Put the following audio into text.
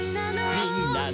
「みんなの」